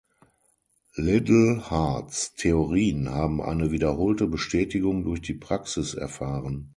Liddell Harts Theorien haben eine wiederholte Bestätigung durch die Praxis erfahren.